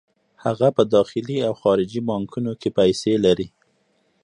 هغه په داخلي او خارجي بانکونو کې پیسې لري